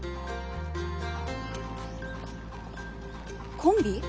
コンビ？